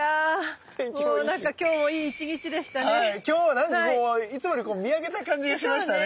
今日はなんかいつもより見上げた感じがしましたね。